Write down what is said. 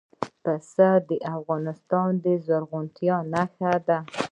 پسه د افغانستان د زرغونتیا نښه ده.